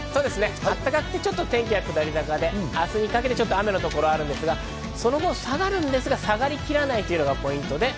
暖かくて、天気は下り坂で明日にかけて雨のところがあるんですが、その後、下がるんですが、下がりきらないというのがポイントです。